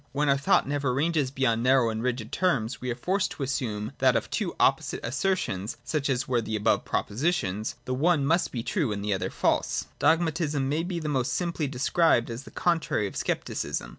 When our thought never ranges beyond narrow and rigid terms, we are forced to assume that of two opposite assertions, such as were the above propositions, the one must be true and the other false. Dogmatism may be most simply described as the contrary of Scepticism.